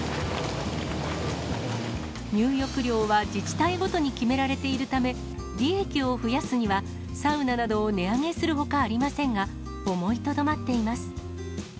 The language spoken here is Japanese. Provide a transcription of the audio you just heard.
入浴料は自治体ごとに決められているため、利益を増やすにはサウナなどを値上げするほかありませんが、思いとどまっています。